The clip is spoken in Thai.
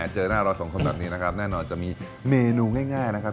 เจอหน้าเราสองคนแบบนี้นะครับแน่นอนจะมีเมนูง่ายนะครับ